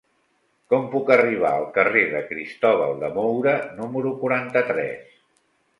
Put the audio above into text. Com puc arribar al carrer de Cristóbal de Moura número quaranta-tres?